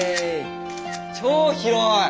超広い！